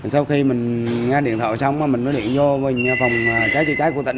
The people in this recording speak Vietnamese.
sau khi mình nghe điện thoại xong mình mới điện vô phòng cháy cháy của tỉnh